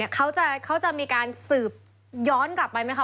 เขาจะมีการสืบย้อนกลับไปไหมคะ